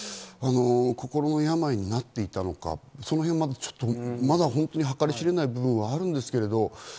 心の病になっていたのか、そのへんはまだ計り知れないところはあるんですけれど。